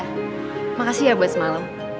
iya makasih ya buat semalem